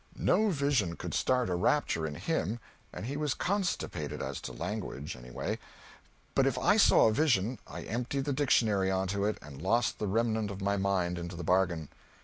No vision could start a rapture in him, and he was constipated as to language, anyway; but if I saw a vision I emptied the dictionary onto it and lost the remnant of my mind into the bargain.